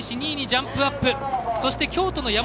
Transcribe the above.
２位にジャンプアップ。